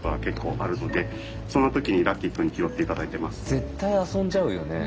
絶対遊んじゃうよね。